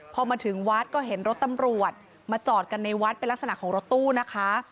พอมาถึงวัดก็เห็นรถตำรวจมาจอดกันในวัดเป็นลักษณะของรถตู้นะคะ